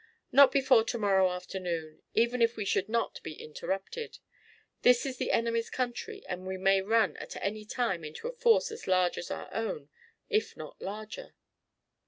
"Not before to morrow afternoon, even if we should not be interrupted. This is the enemy's country and we may run at any time into a force as large as our own if not larger."